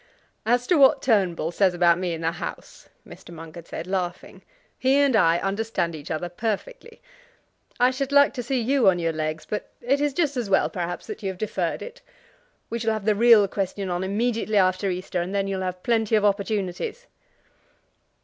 "As to what Turnbull says about me in the House," Mr. Monk had said, laughing; "he and I understand each other perfectly. I should like to see you on your legs, but it is just as well, perhaps, that you have deferred it. We shall have the real question on immediately after Easter, and then you'll have plenty of opportunities."